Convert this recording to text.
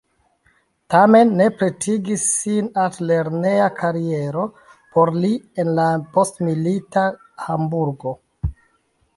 Tamen ne pretigis sin altlerneja kariero por li en la postmilita Hamburgo.